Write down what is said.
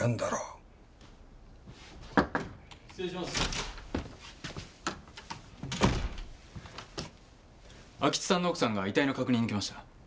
安芸津さんの奥さんが遺体の確認に来ました。